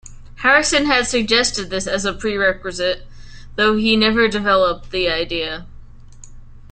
Harrison had suggested this as a prerequisite, though he never developed the idea.